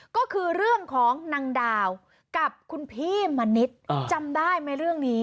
ก็คือเรื่องของนางดาวกับคุณพี่มณิษฐ์จำได้ไหมเรื่องนี้